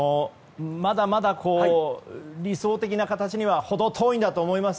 まだまだ理想的な形には程遠いと思います。